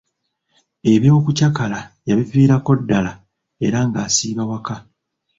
Eby'okucakala yabiviirako ddala era ng'asiiba waka.